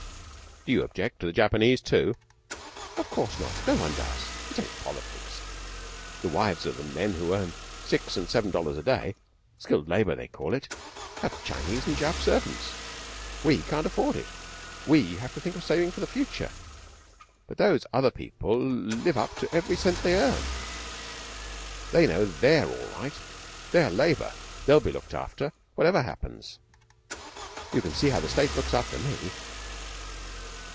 'Do you object to the Japanese, too?' 'Of course not. No one does. It's only politics. The wives of the men who earn six and seven dollars a day skilled labour they call it have Chinese and Jap servants. We can't afford it. We have to think of saving for the future, but those other people live up to every cent they earn. They know they're all right. They're Labour. They'll be looked after, whatever happens. You can see how the State looks after me.'